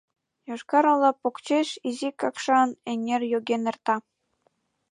— Йошкар-Ола покшеч Изи Какшан эҥер йоген эрта.